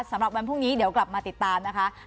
สำหรับวันพรุ่งนี้เดี๋ยวกลับมาติดตามนะคะ